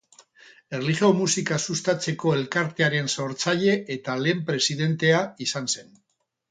Erlijio Musika Sustatzeko Elkartearen sortzaile eta lehen presidentea izan zen.